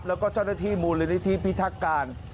แล้วก็เจ้าหน้าทิบหมวลนิธริปฤทธิ์การ